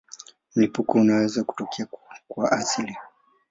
Mlipuko unaweza kutokea kwa asili.